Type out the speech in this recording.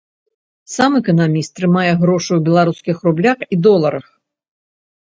Сам эканаміст трымае грошы ў беларускіх рублях і доларах.